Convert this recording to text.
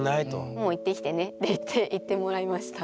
「もう行ってきてね」って言って行ってもらいました。